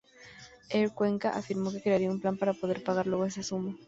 Air Cuenca afirmó que crearía un plan para poder pagar luego esa suma.